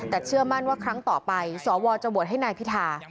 แต่เชื่อมั่นว่าครั้งต่อไปสวจะโหวตให้นายพิธา